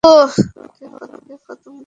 এবার ওকে খতম করো।